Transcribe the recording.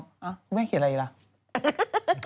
อ่ะไม่ให้เขียนอะไรอีกหรอก